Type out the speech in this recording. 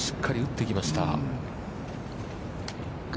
しっかり打ってきました。